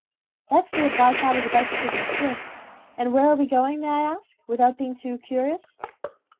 "That's the advice I was about to give Monsieur; and where are we going, may I ask, without being too curious?"